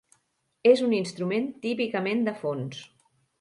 És un instrument típicament de fons.